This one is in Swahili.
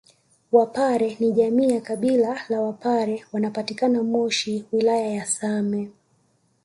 Wapare ni jamii ya kabila la wapare wanapatikana moshi wilaya ya same